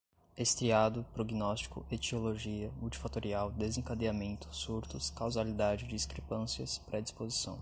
estriado, prognóstico, etiologia, multifatorial, desencadeamento, surtos, causalidade, discrepâncias, predisposição